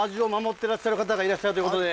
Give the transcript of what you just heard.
てらっしゃる方がいらっしゃるということで。